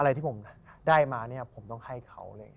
อะไรที่ผมได้มาเนี่ยผมต้องให้เขาเลย